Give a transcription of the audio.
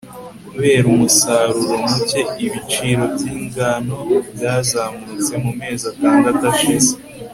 Kubera umusaruro muke ibiciro by ingano byazamutse mumezi atandatu ashize